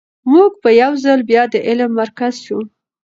موږ به یو ځل بیا د علم مرکز شو.